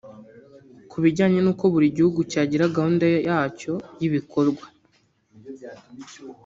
ku bijyanye n’uko buri gihugu cyagira gahunda yacyo y’ibikorwa